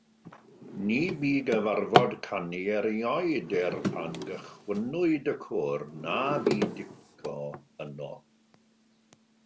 Ni bu gyfarfod canu erioed er pan gychwynnwyd y côr na bu Dico yno.